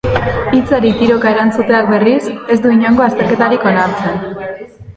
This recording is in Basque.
Hitzari tiroka erantzuteak, berriz, ez du inongo azterketarik onartzen.